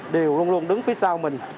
đều luôn luôn đứng phía sau mình